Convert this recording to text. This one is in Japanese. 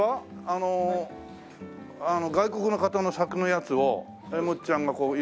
あの外国の方の作のやつをえもっちゃんが色々脚色して。